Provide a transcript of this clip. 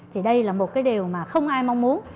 thì đây là một cái điều mà không ai mong muốn